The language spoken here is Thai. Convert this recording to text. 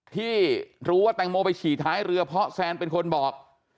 ที่รู้ว่าแตงโมไปฉี่ท้ายเรือเพราะแซนเป็นคนบอก